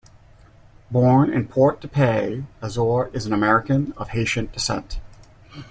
Born in Port-de-Paix, Azor is an American of Haitian descent.